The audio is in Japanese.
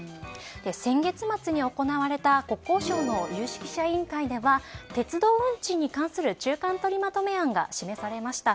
先月末に行われた国交省の有識者委員会では鉄道運賃に関する中間取りまとめ案が示されました。